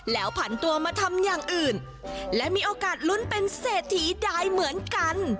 แล้วผันตัวมาทำอย่างอื่นและมีโอกาสลุ้นเป็นเศรษฐีได้เหมือนกัน